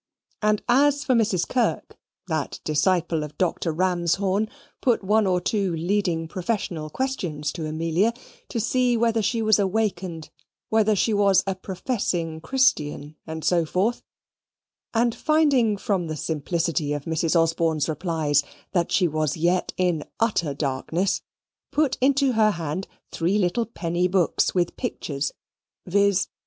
And as for Mrs. Kirk: that disciple of Dr. Ramshorn put one or two leading professional questions to Amelia, to see whether she was awakened, whether she was a professing Christian and so forth, and finding from the simplicity of Mrs. Osborne's replies that she was yet in utter darkness, put into her hands three little penny books with pictures, viz.